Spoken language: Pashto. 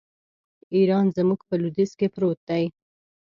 ایران زموږ په لوېدیځ کې پروت دی.